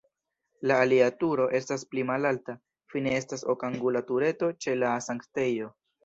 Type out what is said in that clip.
La alia turo estas pli malalta, fine estas okangula tureto ĉe la sanktejo.